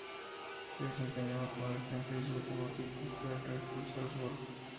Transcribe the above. Se desempeñaba como defensa y su último equipo fue el Red Bull Salzburg.